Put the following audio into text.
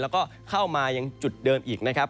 แล้วก็เข้ามายังจุดเดิมอีกนะครับ